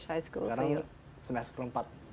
sekolah tinggi sekarang semester empat